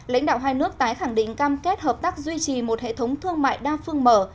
lãnh đạo hai nước tái khẳng định cam kết hợp tác duy trì một hệ thống thương mại đa phương mở